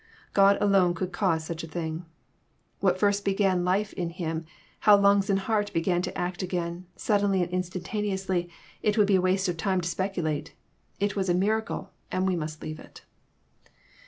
God alone could cause such a thing. What first began life in him, how lungs and heart began to act again, suddenly and instantaneously, it would be waste of time to speculate. It was a miracle, and there we must leave it.